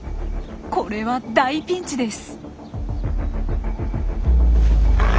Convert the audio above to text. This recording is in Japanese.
これは大ピンチです。